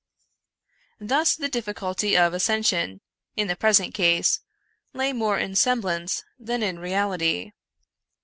Thus the difficulty of ascension, in the present case, lay more in semblance than in reality.